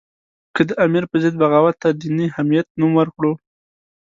که د امیر په ضد بغاوت ته دیني حمیت نوم ورکړو.